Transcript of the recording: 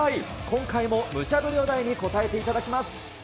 今回もムチャブリお題に応えていただきます。